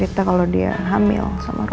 dia cerita kalau dia hamil sama roy